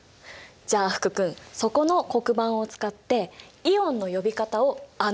じゃあ福君そこの黒板を使ってイオンの呼び方を穴埋めしてみようか！